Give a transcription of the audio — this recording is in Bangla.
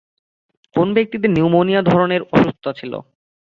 কোন ব্যক্তিদের নিউমোনিয়া ধরনের অসুস্থতা ছিল?